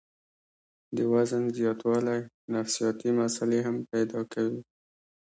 د وزن زياتوالے نفسياتي مسئلې هم پېدا کوي